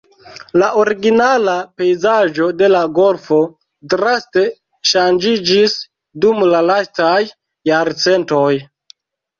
La originala pejzaĝo de la golfo draste ŝanĝiĝis dum la lastaj jarcentoj.